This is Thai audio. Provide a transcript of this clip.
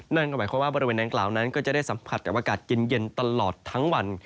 นั่นก็หมายความว่าบริเวณดังกล่าวนั้นก็จะได้สัมผัสกับอากาศเย็นตลอดทั้งวัน